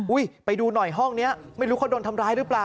ไปดูหน่อยห้องนี้ไม่รู้เขาโดนทำร้ายหรือเปล่า